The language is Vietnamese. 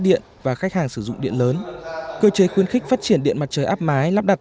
điện và khách hàng sử dụng điện lớn cơ chế khuyến khích phát triển điện mặt trời áp mái lắp đặt